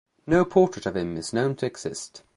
No portrait of him is known to exist.